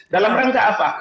dalam rangka apa